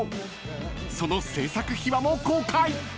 ［その制作秘話も公開！］